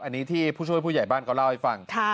อันนี้ที่ผู้ช่วยผู้ใหญ่บ้านก็เล่าให้ฟัง